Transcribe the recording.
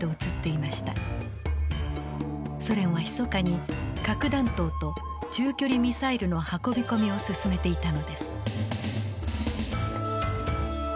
ソ連はひそかに核弾頭と中距離ミサイルの運び込みを進めていたのです。